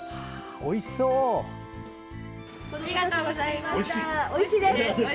おいしいです！